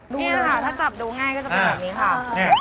นี่ค่ะถ้าจับดูง่ายก็จะเป็นแบบนี้ค่ะ